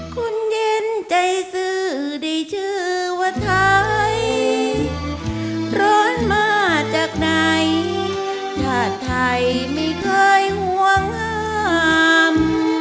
คุณยิ้มใจซื้อได้ชื่อว่าไทยร้อนมาจากไหนชาติไทยไม่เคยห่วงห้าม